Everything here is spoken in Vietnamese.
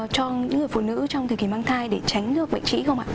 cho những người phụ nữ trong thời kỳ mang thai để tránh được bệnh trĩ không ạ